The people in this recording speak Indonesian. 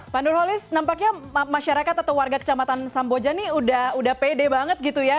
pak nurholis nampaknya masyarakat atau warga kecamatan samboja ini udah pede banget gitu ya